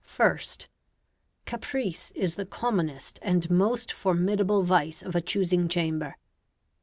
First. Caprice is the commonest and most formidable vice of a choosing chamber.